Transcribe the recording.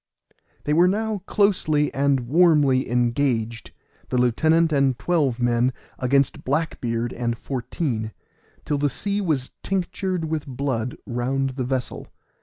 They were now closely and warmly engaged, the lieutenant and twelve men against Black beard and fourteen, till the sea was tinctured with blood round the vessel.